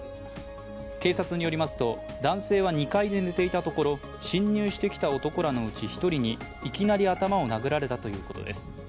警察によりますと、男性は２階で寝ていたところ侵入してきた男らのうち１人にいきなり頭を殴られたということです。